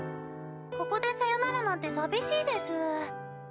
ここでさよならなんて寂しいですぅ。